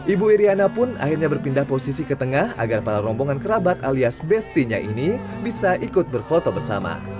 ibu iryana pun akhirnya berpindah posisi ke tengah agar para rombongan kerabat alias bestinya ini bisa ikut berfoto bersama